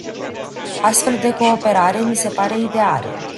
O astfel de cooperare mi se pare ideală.